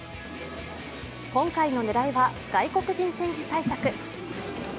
今回の狙いは外国人選手対策。